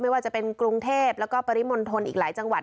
ไม่ว่าจะเป็นกรุงเทพแล้วก็ปริมณฑลอีกหลายจังหวัด